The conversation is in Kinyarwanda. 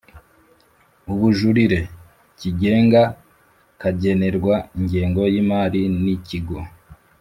Ubujurire kigenga kagenerwa ingengo y imari n Ikigo